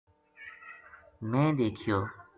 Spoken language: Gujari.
میں دیکھیو